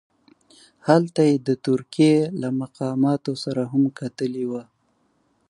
هلته یې د ترکیې له مقاماتو سره هم کتلي وه.